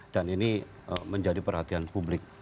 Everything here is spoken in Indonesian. dan ini menjadi perhatian publik